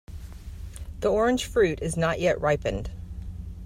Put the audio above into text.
The orange fruit is not yet ripened.